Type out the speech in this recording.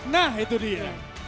nah itu dia